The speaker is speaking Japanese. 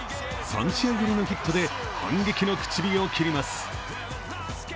３試合ぶりのヒットで反撃の口火を切ります。